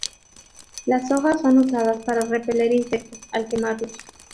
Las hojas son usadas para repeler insectos, al quemarlos.